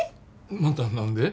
また何で？